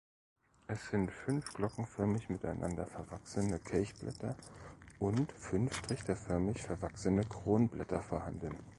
Es sind fünf glockenförmig miteinander verwachsene Kelchblätter und fünf trichterförmig verwachsene Kronblätter vorhanden.